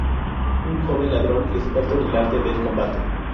Un joven ladrón experto en el arte del combate.